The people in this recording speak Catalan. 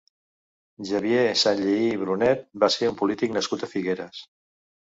Xavier Sanllehí Brunet va ser un polític nascut a Figueres.